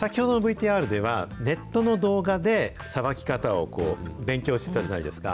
先ほどのＶＴＲでは、ネットの動画でさばき方を勉強してたじゃないですか。